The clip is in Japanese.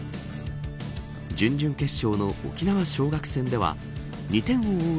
準々決勝の沖縄尚学戦では２点を追う